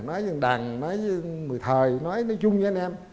nói với đằng nói với người thời nói nói chung với anh em